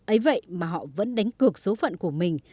ấy vậy mà họ vẫn đánh cược số phận của mình